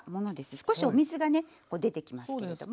少しお水がね出てきますけれども。